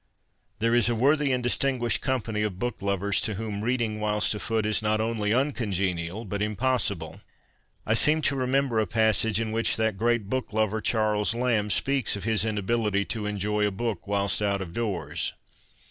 There is a worthy and distinguished company of book lovers to whom reading whilst afoot is not only uncongenial but impossible. I seem to remem ber a passage in which that great book lover Charles Lamb speaks of his inability to enjoy a book BOOKS AND GARDENS 31 whilst out of doors.